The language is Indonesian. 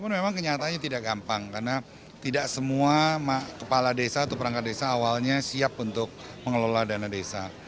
memang kenyataannya tidak gampang karena tidak semua kepala desa atau perangkat desa awalnya siap untuk mengelola dana desa